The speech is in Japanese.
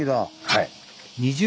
はい。